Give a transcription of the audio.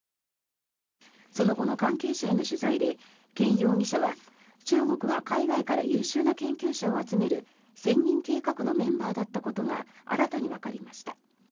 その後の関係者への取材でケン容疑者は中国が海外から優秀な研究者を集める千人計画のメンバーだったことが新たにわかりました。